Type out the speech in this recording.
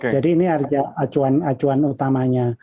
jadi ini acuan acuan utamanya